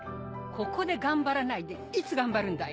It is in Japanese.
ここで頑張らないでいつ頑張るんだい。